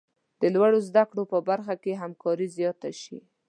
د لوړو زده کړو په برخه کې به همکاري زیاته شي.